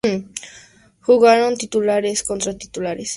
Jugaron titulares contra titulares.